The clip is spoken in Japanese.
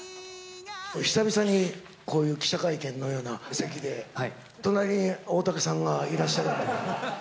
久々にこういう記者会見のような席で、隣に大竹さんがいらっしゃるので。